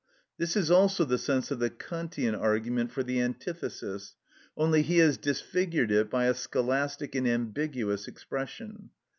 This is also the sense of the Kantian argument for the antithesis, only he has disfigured it by a scholastic and ambiguous expression.